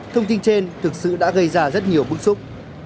thông tin trên thực sự đã gây ra rất nhiều bức xúc